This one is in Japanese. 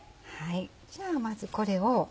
じゃあまずこれを。